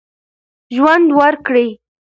ژوند ورکړئ.